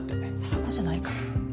そこじゃないから。